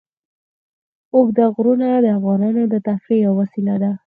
اوږده غرونه د افغانانو د تفریح یوه وسیله ده.